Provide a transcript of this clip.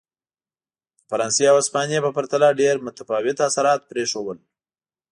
د فرانسې او هسپانیې په پرتله ډېر متفاوت اثرات پرېښودل.